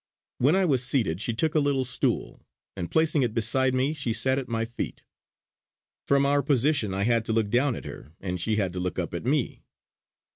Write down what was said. When I was seated she took a little stool, and placing it beside me, sat at my feet. From our position I had to look down at her, and she had to look up at me.